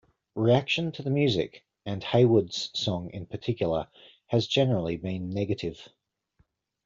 Reaction to the music and Hayward's song in particular, has generally been negative.